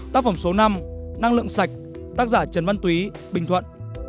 tác phẩm số năm năng lượng sạch tác giả trần văn túy bình thuận